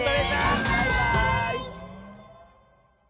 バイバーイ！